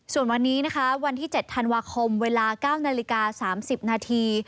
ส่วนวันนี้นะคะวันที่๗ธันวาคมเวลา๙นาฬิกา๓๐นาที